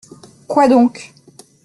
Quoi donc ?